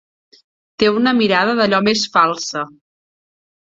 Té una mirada d'allò més falsa.